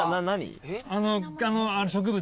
あの植物。